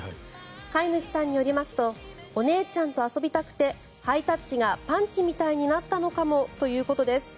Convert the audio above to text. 飼い主さんによりますとお姉ちゃんと遊びたくてハイタッチがパンチみたいになったのかもということです。